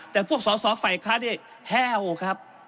แต่พวกสอสอฝ่ายค้าเนี่ยแห้วครับ